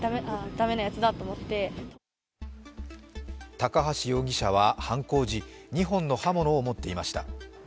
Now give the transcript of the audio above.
高橋容疑者は犯行時２本の刃物を持っていました。